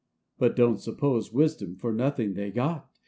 But don't suppose wisdom for nothing they got